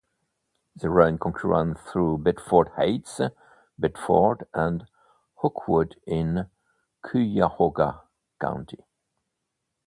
They run concurrent through Bedford Heights, Bedford, and Oakwood in Cuyahoga County.